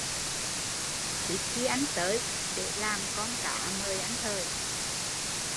Ít khi anh tới, đề làm con ca mời anh thời